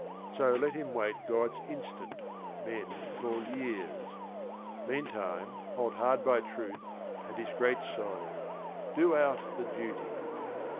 So, let him wait God's instant men call years ; Meantime hold hard by truth and his great soul, Do out the duty